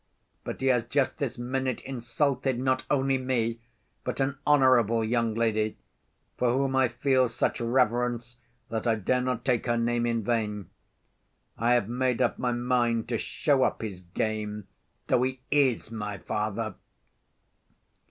But as he has just this minute insulted not only me, but an honorable young lady, for whom I feel such reverence that I dare not take her name in vain, I have made up my mind to show up his game, though he is my father...."